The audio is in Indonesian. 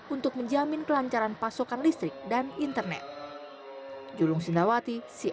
untuk menjamin kelancaran pasokan listrik dan internet